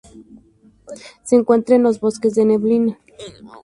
Se encuentra en los bosques de neblina.